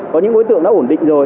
có những đối tượng đã ổn định rồi